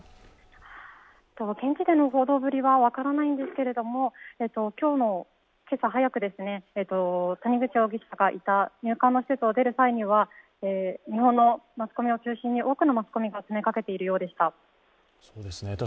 現地での報道ぶりは分からないんですけれども、今日の朝は谷口容疑者がいた入管の施設を出る際には日本のマスコミを中心に多くのマスコミが詰めかけているようでした。